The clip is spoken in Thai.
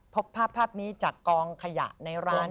ภาพนี้จากกองขยะในร้าน